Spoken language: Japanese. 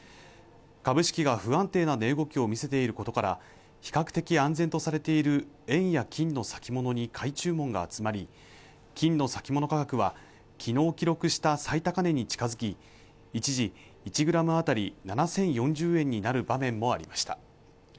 株式が不安定な値動きを見せていることから比較的安全とされている円や金の先物に買い注文が集まり金の先物価格はきのう記録した最高値に近づき一時１グラムあたり７０４０円になる場面もありました